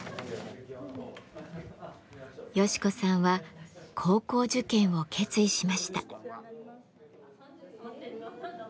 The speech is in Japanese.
ヨシ子さんは高校受験を決意しました。